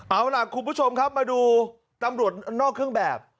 เอาล่ะคุณผู้ชมครับมาดูตำรวจนอกเครื่องแบบ